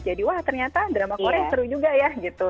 jadi wah ternyata drama korea seru juga ya gitu